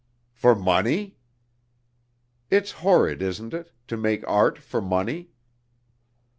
"For money?" "It's horrid, isn't it? to make art for money?"